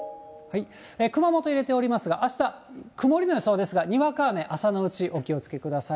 熊本入れておりますが、あした、曇りの予想ですが、にわか雨、朝のうち、お気をつけください。